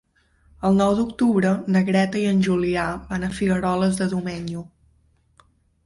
El nou d'octubre na Greta i en Julià van a Figueroles de Domenyo.